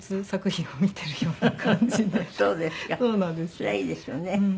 それはいいですよね。